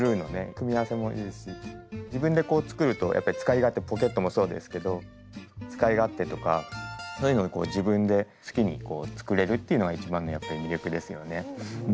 組み合わせもいいし自分でこう作るとやっぱ使い勝手もポケットもそうですけど使い勝手とかそういうのをこう自分で好きにこう作れるっていうのが一番のやっぱり魅力ですよね。